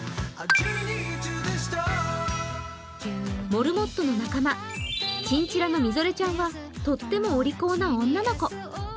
モルモットの仲間、チンチラのみぞれちゃんはとってもお利口な女の子。